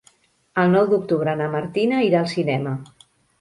El nou d'octubre na Martina irà al cinema.